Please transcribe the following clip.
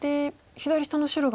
左下の白が。